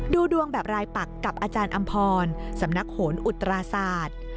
ดูดวงแบบรายปักกับอาจารย์อำพรสำนักโหนอุตราศาสตร์